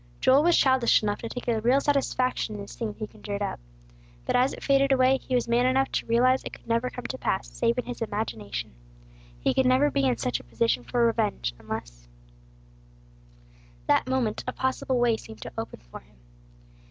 Joel was childish enough to take a real satisfaction in this scene he conjured up. But as it faded away, he was man enough to realize it could never come to pass, save in his imagination; he could never be in such a position for revenge, unless, That moment a possible way seemed to open for him.